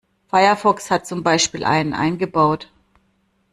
Firefox hat zum Beispiel einen eingebaut.